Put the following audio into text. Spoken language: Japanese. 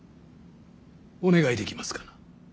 お願いできますかな。